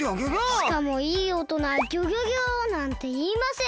しかもいいおとなは「ギョギョギョ！」なんていいません。